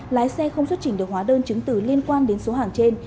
lái xe không xuất trình được hóa đơn chứng từ liên quan đến số hàng trên